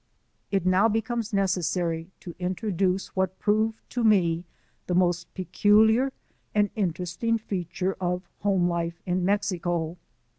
It now becomes necessary to introduce what proved to me the most peculiar and interesting feature of home life in Mexico.